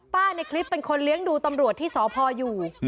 ในคลิปเป็นคนเลี้ยงดูตำรวจที่สพอยู่